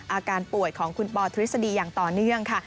อาการป่วยของคุณปอทฤษฎีอย่างต่อเนื่องค่ะ